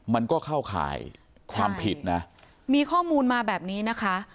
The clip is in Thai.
มันก็เข้าข่ายความผิดนะมีข้อมูลมาแบบนี้นะคะ